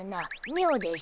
みょうでしゅな。